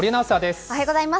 おはようございます。